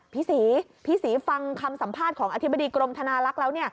พี่ศรีพี่ศรีฟังคำสัมภาษณ์ของอธิบดีกรมธนาลักษณ์แล้ว